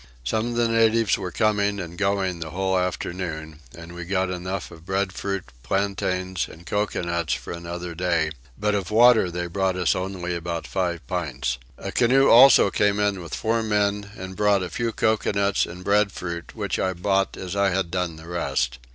Some of the natives were coming and going the whole afternoon, and we got enough of breadfruit, plantains, and coconuts for another day; but of water they only brought us about five pints. A canoe also came in with four men and brought a few coconuts and breadfruit which I bought as I had done the rest.